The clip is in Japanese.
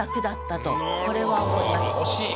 惜しい。